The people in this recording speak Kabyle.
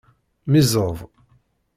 Miẓẓed.